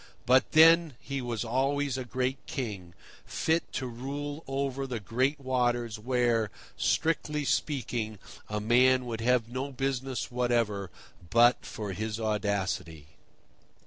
But, then, he was always a great king, fit to rule over the great waters where, strictly speaking, a man would have no business whatever but for his audacity.